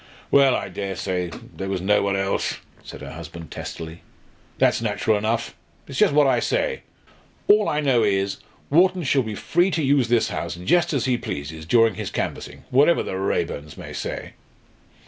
"Well, I dare say there was no one else," said her husband, testily. "That's natural enough. It's just what I say. All I know is, Wharton shall be free to use this house just as he pleases during his canvassing, whatever the Raeburns may say."